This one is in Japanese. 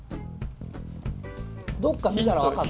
どっか見たら分かる？